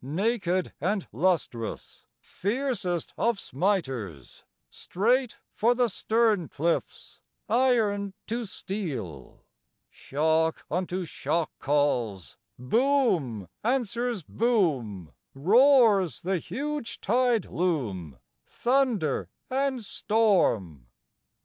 Naked and lustrous, Fiercest of smiters, Straight for the stern cliffs, Iron to steel! Shock unto shock calls, Boom answers boom, Roars the huge tide loom, Thunder and storm!